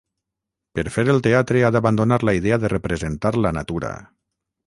Per fer el teatre ha d'abandonar la idea de representar la natura.